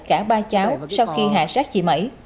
cả ba cháu sau khi hạ sát chị mẩy